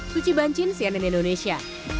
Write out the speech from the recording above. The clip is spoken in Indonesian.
suci banjin cnn indonesia